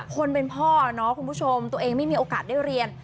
คนเป็นพ่อเนาะคุณผู้ชมตัวเองไม่มีโอกาสได้เรียน